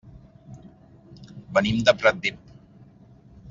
Venim de Pratdip.